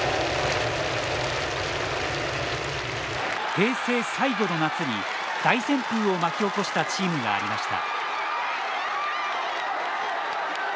平成最後の夏に大旋風を巻き起こしたチームがありました。